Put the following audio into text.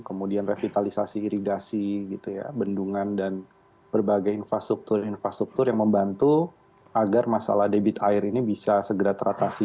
kemudian revitalisasi irigasi bendungan dan berbagai infrastruktur infrastruktur yang membantu agar masalah debit air ini bisa segera teratasi